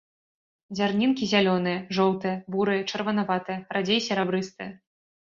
Дзярнінкі зялёныя, жоўтыя, бурыя, чырванаватыя, радзей серабрыстыя.